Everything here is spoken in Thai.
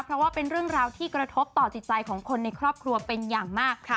เพราะว่าเป็นเรื่องราวที่กระทบต่อจิตใจของคนในครอบครัวเป็นอย่างมาก